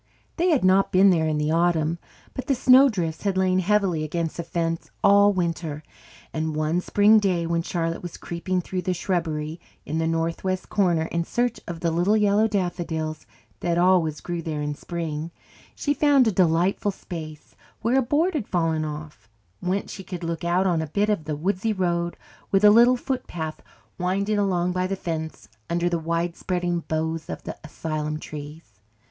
They had not been there in the autumn, but the snowdrifts had lain heavily against the fence all winter, and one spring day when Charlotte was creeping through the shrubbery in the northwest corner in search of the little yellow daffodils that always grew there in spring, she found a delightful space where a board had fallen off, whence she could look out on a bit of woodsy road with a little footpath winding along by the fence under the widespreading boughs of the asylum trees.